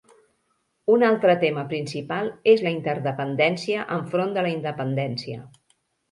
Un altre tema principal és la interdependència enfront de la independència.